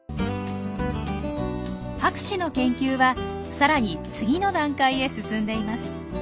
博士の研究はさらに次の段階へ進んでいます。